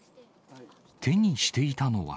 手にしていたのは。